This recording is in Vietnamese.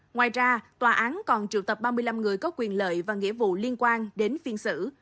ngoài ra tòa án còn triệu tập ba mươi năm người có quyền lợi và nghĩa vụ liên quan đến phiên xử